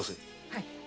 はい。